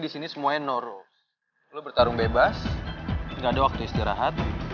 sampai jumpa di video selanjutnya